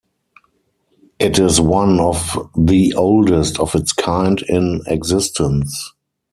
It is one of the oldest of its kind in existence.